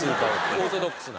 オーソドックスな。